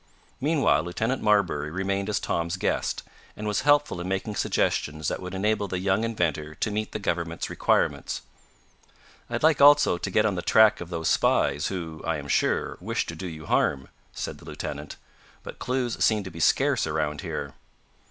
Meanwhile Lieutenant Marbury remained as Tom's guest, and was helpful in making suggestions that would enable the young inventor to meet the government's requirements. "I'd like, also, to get on the track of those spies who, I am sure, wish to do you harm," said the lieutenant, "but clues seem to be scarce around here."